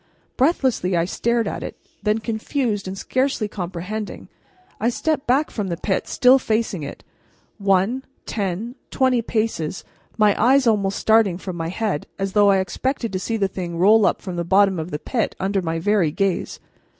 Breathlessly I stared at it, then, confused and scarcely comprehending, I stepped back from the pit, still facing it, one, ten, twenty paces, my eyes almost starting from my head, as though I expected to see the thing roll up from the bottom of the pit under my very gaze.